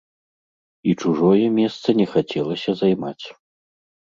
І чужое месца не хацелася займаць.